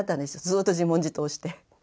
ずっと自問自答して。